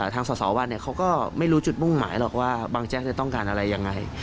ทางสอสอวันเขาก็ไม่รู้จุดมุ่งหมายหรอกว่าบางแจ๊กจะต้องการอะไรยังไง